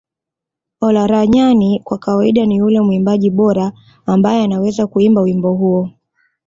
Olaranyani kwa kawaida ni yule mwimbaji bora ambaye anaweza kuimba wimbo huo